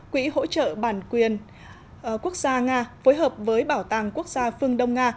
quỹ hỗ trợ bản quyền quốc gia nga phối hợp với bảo tàng quốc gia phương đông nga